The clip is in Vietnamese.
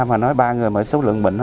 mà nói ba người mở số lượng bệnh